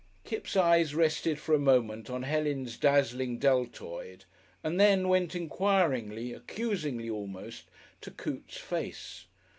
Kipps' eyes rested for a moment on Helen's dazzling deltoid, and then went enquiringly, accusingly almost to Coote's face.